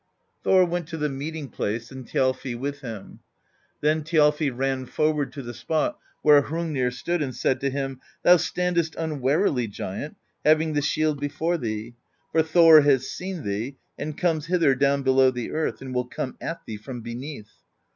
"Thor went to the meeting place, and Thjalfi with him. Then Thjalfi ran forward to the spot where Hrungnir stood and said to him: 'Thou standest unwarily. Giant, having the shield before thee : for Thor has seen thee, and comes hither down below the earth, and will come at thee from beneath.'